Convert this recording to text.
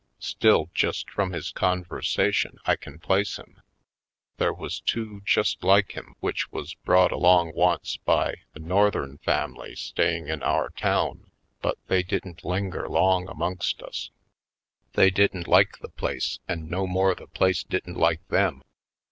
Still, just from his conversa tion I can place him. There was two just like him which was brought along once by a Northern family staying in our town but they didn't linger long amongst us. They 52 /. PoindexteVj Colored didn't like the place and no more the place didn't like them.